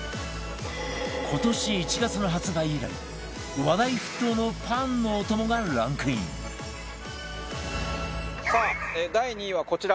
今年１月の発売以来話題沸騰のパンのお供がランクインさあ第２位はこちら。